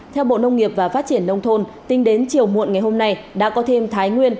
theo bộ nông nghiệp và phát triển nông thôn tính đến chiều muộn ngày hôm nay đã có thêm thái nguyên